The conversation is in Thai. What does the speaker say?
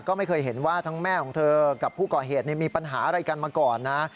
ก็ไม่เคยเห็นว่าทั้งแม่ของเธอกับผู้ก่อเหตุมีปัญหาอะไรกันมาก่อนนะ